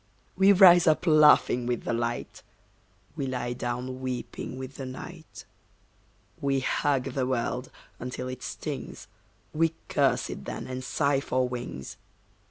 We rise up laughing with the light, We lie down weeping with the night. We hug the world until it stings, We curse it then and sigh for wings.